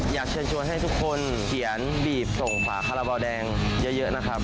อยากเชิญชวนให้ทุกคนเขียนบีบส่งฝาคาราบาลแดงเยอะนะครับ